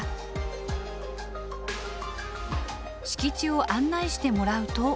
敷地を案内してもらうと。